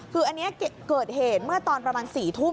คืออันนี้เกิดเหตุเมื่อตอนประมาณ๔ทุ่ม